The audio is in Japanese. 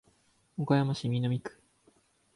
岡山市南区